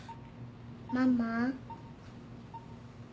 ママ。